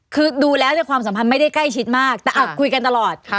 คือดูแล้วความสัมพันธ์ไม่ได้ใกล้ชิดมากแต่คุยกันตลอด